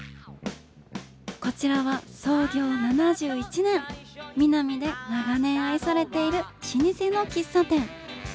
こちらは創業７１年ミナミで長年愛されている老舗の喫茶店。